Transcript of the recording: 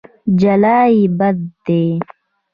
جلايي بد دی.